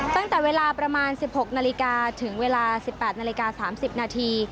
ตั้งแต่เวลาประมาณ๑๖นาฬิกาถึงเวลา๑๘นาฬิกา๓๐นาที